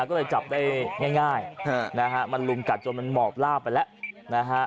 ก็เลยจับได้ง่ายมันลุมกัดจนมอบลาไปแล้ว